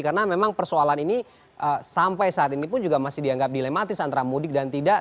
karena memang persoalan ini sampai saat ini pun juga masih dianggap dilematis antara mudik dan tidak